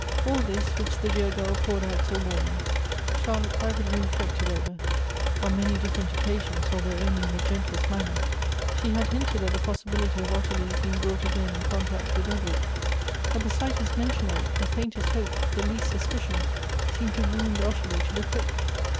All this, which the dear girl poured out so warmly, Charlotte privately reflected over; on many different occasions, although only in the gentlest manner, she had hinted at the i)ossibility of Ottilie's being brought again in contact with Edward ; but the slightest mention of it, the fiiintest hope, the least suspicion, seemed to wound Ottilie to the quick.